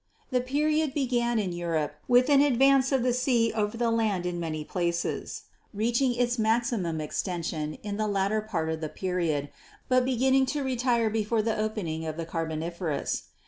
"The period began in Europe with an advance of the sea over the land in many places, reaching its maximum exten sion in the latter part of the period, but beginning to retire before the opening of the Carboniferous.